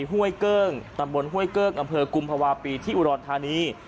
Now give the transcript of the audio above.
ห้วยเกิ้งตำบลห้วยเกิ้งอำเภอกุมภาวะปีที่อุดรธานี